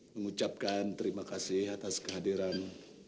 mengucapkan terima kasih atas kehadiran